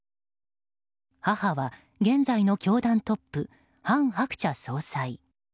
母は現在の教団トップ韓鶴子総裁。